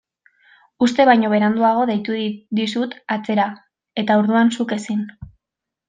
Uste baino beranduago deitu dizut atzera eta orduan zuk ezin.